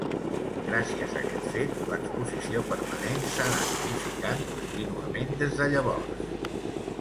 Gràcies a aquest fet l'exposició permanent s'ha anat modificant contínuament des de llavors.